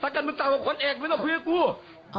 ถ้าเกิดมึงต้องกับคนเอกมึงต้องคุยกับกู